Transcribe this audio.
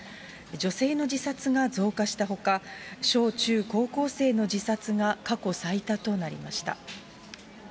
女性の自殺が増加したほか、小中高校生の自殺が過去最多となりました。